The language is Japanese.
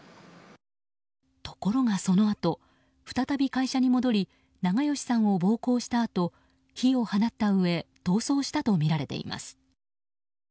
ところが、そのあと再び会社に戻り長葭さんを暴行したあと火を放ったうえ逃走したとみられています。